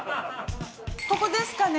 ここですかね？